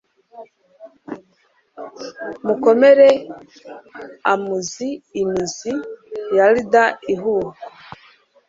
Mukomere amuzi imizi ya ruder ihuha